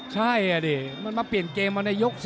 ใช่เอาดีมันมาเปลี่ยนเกมนายก๔